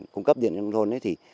cung cấp điện trong thôn